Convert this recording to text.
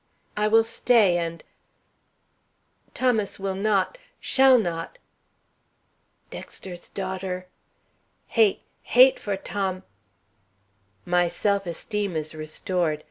I will stay and Thomas will not, shall not dexter's daughter hate, hate for Thom "My self esteem is restored.